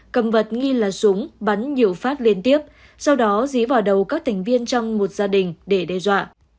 cầm vật nghi là súng bắn nhiều phát liên tiếp sau đó dí vào đầu các thành viên trong một gia đình để đe dọa